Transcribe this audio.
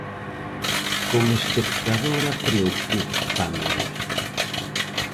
Como espectadora preocúpame.